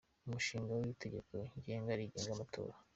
Umushinga w’Itegeko ngenga rigenga amatora ;